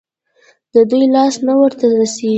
د دوى لاس نه ورته رسېږي.